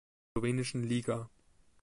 Slowenischen Liga.